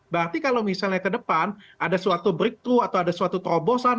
berarti kalau misalnya ke depan ada suatu breakthrough atau ada suatu terobosan